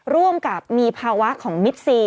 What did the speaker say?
ร่วมกับมีภาวะของมิดซี